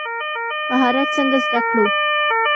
مهارت څنګه زده کړو؟